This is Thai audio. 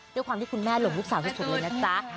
ด้วยความที่คุณแม่หลงลูกสาวสุดเลยนะจ๊ะ